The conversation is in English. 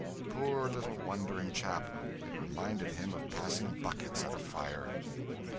Poor little wondering chap, it reminded him of passing buckets at a fire.